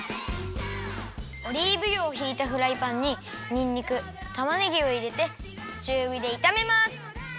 オリーブ油をひいたフライパンににんにくたまねぎをいれてちゅうびでいためます。